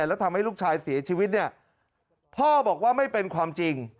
แล้วทำให้ลูกชายเสียชีวิตเนี่ยพ่อบอกว่าไม่เป็นความจริง